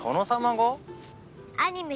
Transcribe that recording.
アニメ